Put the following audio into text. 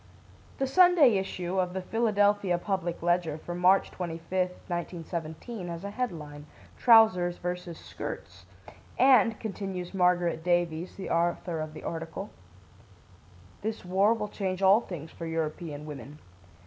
The Sunday issue of the Philadelphia Public Ledger for March 25, 1917, has a headline, "Trousers vs. Skirts," and, continues Margaret Davies, the author of the article: "This war will change all things for European women.